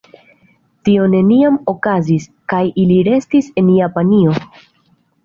Tio neniam okazis, kaj ili restis en Japanio.